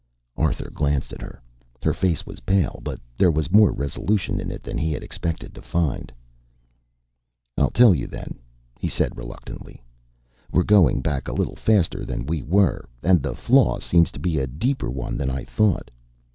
Arthur glanced at her. Her face was pale, but there was more resolution in it than he had expected to find. "I'll tell you, then," he said reluctantly. "We're going back a little faster than we were, and the flaw seems to be a deeper one than I thought.